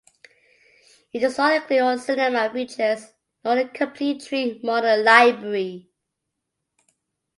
It does not include all Cinema features, nor the complete Tree Model Library.